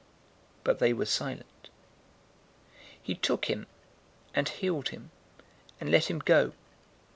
014:004 But they were silent. He took him, and healed him, and let him go.